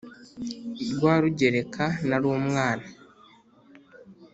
rwarugereka nari umwana